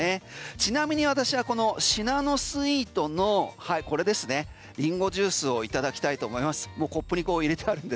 ちなみに私はシナノスイートのリンゴジュースをいただきたいと思います。